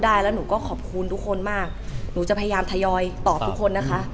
ได้แล้วหนูก็ขอบคุณทุกคนมากหนูจะพยายามทยอยตอบทุกคนนะคะ